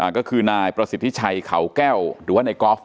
ก็คือนายประสิทธิชัยเขาแก้วหรือว่าในกอล์ฟ